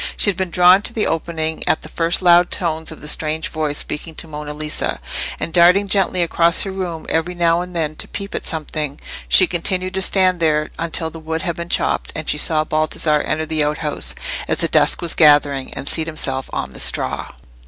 She had been drawn to the opening at the first loud tones of the strange voice speaking to Monna Lisa; and darting gently across her room every now and then to peep at something, she continued to stand there until the wood had been chopped, and she saw Baldassarre enter the outhouse, as the dusk was gathering, and seat himself on the straw.